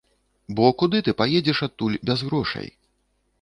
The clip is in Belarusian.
Бо куды ты паедзеш адтуль без грошай?